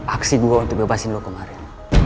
aksi gue untuk bebasin lo kemarin